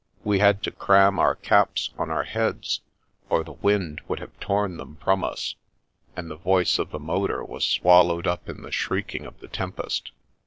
We had to cram our caps on our heads, or the wind would have torn them from us, and the voice of the motor was swallowed up in the shrieking of the tempest.